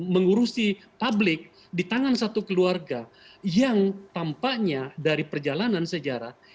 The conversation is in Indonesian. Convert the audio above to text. mengurusi publik di tangan satu keluarga yang tampaknya dari perjalanan sejarah